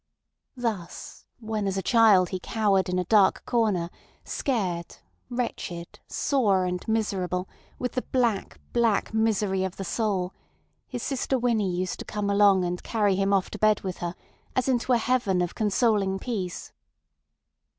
Thus when as a child he cowered in a dark corner scared, wretched, sore, and miserable with the black, black misery of the soul, his sister Winnie used to come along, and carry him off to bed with her, as into a heaven of consoling peace.